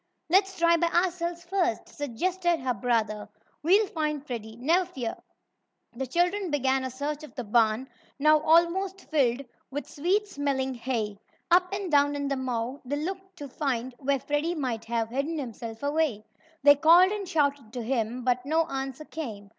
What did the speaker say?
"Let's try by ourselves, first," suggested her brother. "We'll find Freddie, never fear." The children began a search of the barn, now almost filled with sweet smelling hay. Up and down in the mow they looked to find where Freddie might have hidden himself away. They called and shouted to him, but no answer came.